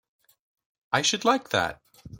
I should like that!